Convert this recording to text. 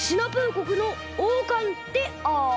こくのおうかんである。